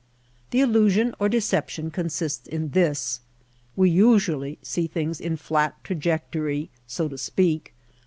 The illusion or deception consists in this : We usually see things in flat trajectory, so to speak.